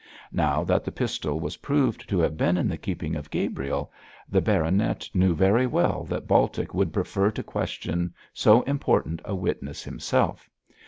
Now that the pistol was proved to have been in the keeping of Gabriel, the baronet knew very well that Baltic would prefer to question so important a witness himself.